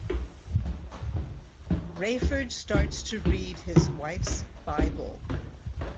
Rayford starts to read his wife's Bible.